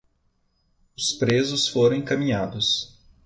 Os presos foram encaminhados